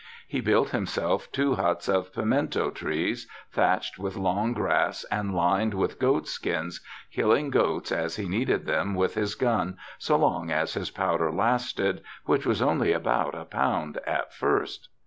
He built himself two huts of pimento trees, thatched with long grass and lined with goat skins, killing goats as he needed them with his gun so long as his powder lasted, which was only about a pound at first.